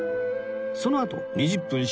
そのあと２０分